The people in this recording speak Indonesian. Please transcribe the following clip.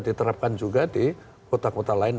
diterapkan juga di kota kota lain